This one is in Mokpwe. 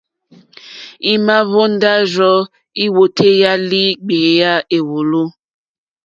Ima hvonda rzɔ̀ i wòtèyà li gbeya èwòlò.